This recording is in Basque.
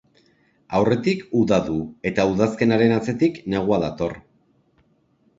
Aurretik uda du eta udazkenaren atzetik, negua dator.